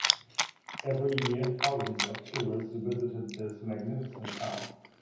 Every year, thousands of tourists visited this magnificent town.